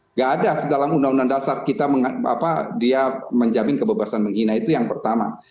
nggak ada dalam undang undang dasar kita dia menjamin kebebasan menghina itu yang pertama